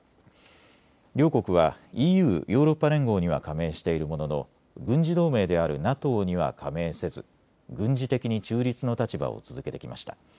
両国はＥＵ・ヨーロッパ連合には加盟しているものの軍事同盟であるＮＡＴＯには加盟せず、軍事的に中立の立場を続けてきました。